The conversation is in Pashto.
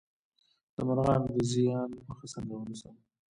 د مرغانو د زیان مخه څنګه ونیسم؟